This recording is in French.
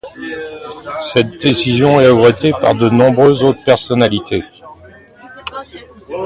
Cette décision est regrettée par de nombreuses autres personnalités.